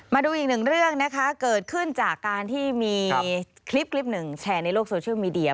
มาดูอีกหนึ่งเรื่องนะคะเกิดขึ้นจากการที่มีคลิปหนึ่งแชร์ในโลกโซเชียลมีเดีย